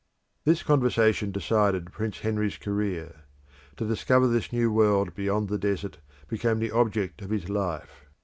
This conversation decided Prince Henry's career. To discover this new world beyond the desert became the object of his life.